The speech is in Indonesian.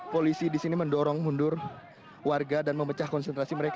polisi di sini mendorong mundur warga dan memecah konsentrasi mereka